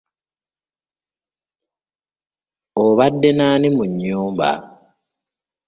Obadde n’ani mu nnyumba?